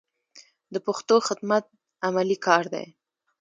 د پښتو خدمت عملي کار دی.